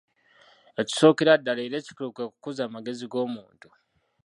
Ekisookera ddala era ekikulu kwe kukuza amagezi g'omuntu.